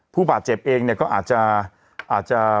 ผู้บาดเจ็บเองเนี่ยก็อาจจะ